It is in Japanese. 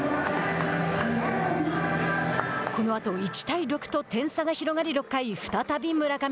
このあと１対６と点差が広がり６回再び村上。